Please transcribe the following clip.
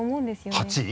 ８位？